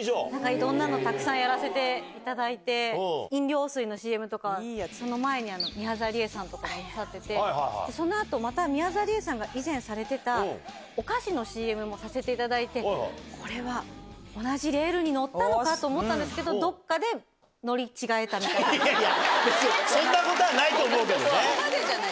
いろんなのたくさんやらせていただいて、飲料水のＣＭとか、その前には、宮沢りえさんとかもなさってて、そのあとまた宮沢りえさんが以前されてたお菓子のＣＭもさせていただいて、これは同じレールに乗ったのかと思ったんですけど、そんなことはないと思うけどそこまでじゃない。